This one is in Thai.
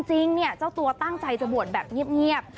จริงเนี่ยเจ้าตัวตั้งใจจะบวชแบบเงียบ